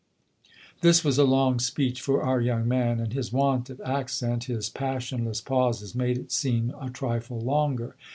This was a long speech for our young man, and his want of accent, his passionless pauses, made it seem a trifle longer.